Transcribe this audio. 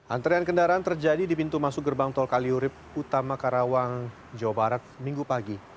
antrean kendaraan terjadi di pintu masuk gerbang tol kaliurip utama karawang jawa barat minggu pagi